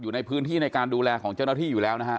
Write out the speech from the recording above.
อยู่ในพื้นที่ในการดูแลของเจ้าหน้าที่อยู่แล้วนะฮะ